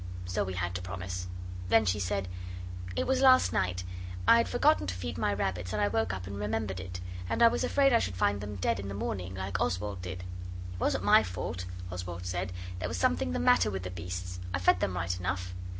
So we had to promise. Then she said 'It was last night. I had forgotten to feed my rabbits and I woke up and remembered it. And I was afraid I should find them dead in the morning, like Oswald did.' 'It wasn't my fault,' Oswald said; 'there was something the matter with the beasts. I fed them right enough.